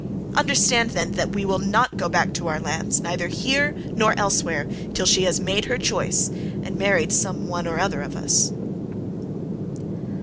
Understand, then, that we will not go back to our lands, neither here nor elsewhere, till she has made her choice and married some one or other of us."